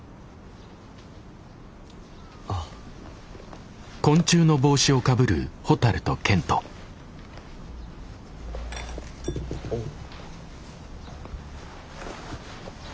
あっ。おっ。